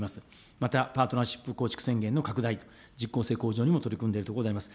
またパートナーシップ構築宣言の拡大とじっこう性向上にも取り組んでいるところであります。